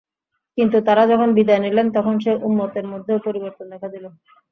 কিন্তু তাঁরা যখন বিদায় নিলেন, তখন সে উম্মতের মধ্যেও পরিবর্তন দেখা দিল।